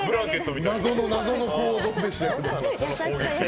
謎の行動でしたよね。